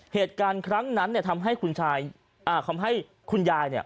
เหตุการณ์ครั้งนั้นทำให้คุณยาย